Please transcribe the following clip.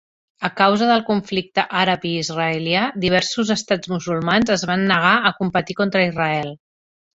A causa del conflicte àrab i israelià, diversos estats musulmans es van negar a competir contra Israel.